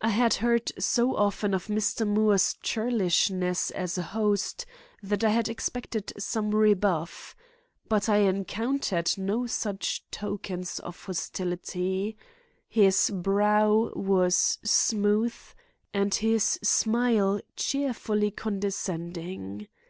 I had heard so often of Mr. Moore's churlishness as a host that I had expected some rebuff. But I encountered no such tokens of hostility. His brow was smooth and his smile cheerfully condescending.